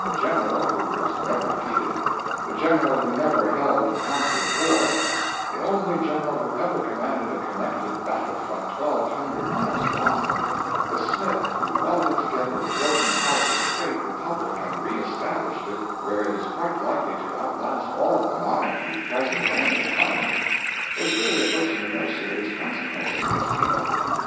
The general who was never defeated, the general who never held a council of war, the only general who ever commanded a connected battle front twelve hundred miles long, the smith who welded together the broken parts of a great republic and re established it where it is quite likely to outlast all the monarchies present and to come, was really a person of no serious consequence to these people.